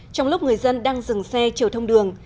trong lúc người dân đang dừng xe chiều thông đường